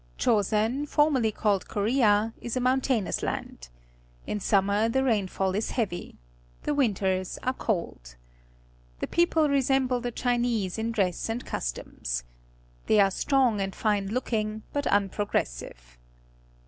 — Chosen, formerly called Korea, is a mountainous land. In summer the rainfall is heavy. The winters are cold. The people resemble the Chinese in dress and customs. Thej^ are .strong and fine looking, but unprogressive.